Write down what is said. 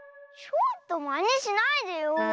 ちょっとまねしないでよ。